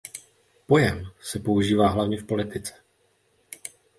Pojem se používá hlavně v politice.